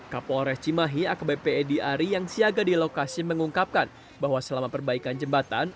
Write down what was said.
kapolres cimahi akbp edi ari yang siaga di lokasi mengungkapkan bahwa selama perbaikan jembatan